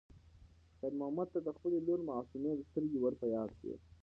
خیر محمد ته د خپلې لور معصومې سترګې ور په یاد شوې.